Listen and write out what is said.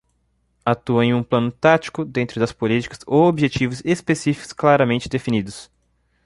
Atua em um plano tático, dentro das políticas ou objetivos específicos claramente definidos.